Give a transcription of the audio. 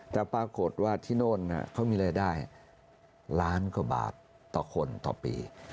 แต่ปรากฏว่าที่โน่นเขามีรายได้ล้านกว่าบาทต่อคนต่อปี